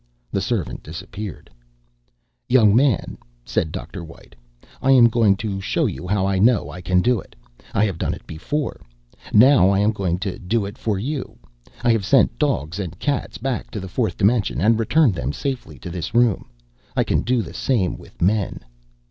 The servant disappeared. "Young man," said Dr. White, "I am going to show you how I know I can do it. I have done it before, now I am going to do it for you. I have sent dogs and cats back to the fourth dimension and returned them safely to this room. I can do the same with men."